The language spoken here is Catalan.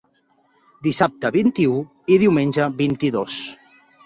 Dissabte vint-i-u i diumenge vint-i-dos.